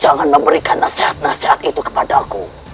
jangan memberikan nasihat nasihat itu kepada aku